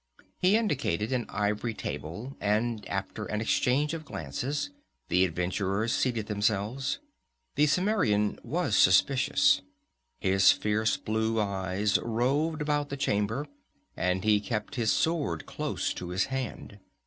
He indicated an ivory table, and after an exchange of glances, the adventurers seated themselves. The Cimmerian was suspicious. His fierce blue eyes roved about the chamber, and he kept his sword close to his hand.